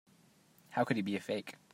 How could he be a fake?